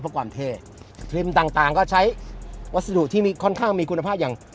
เพื่อความเท่ครีมต่างต่างก็ใช้วัสดุที่มีค่อนข้างมีคุณภาพอย่าง